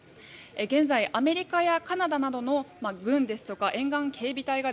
現在、アメリカやカナダなどの軍ですとか沿岸警備隊が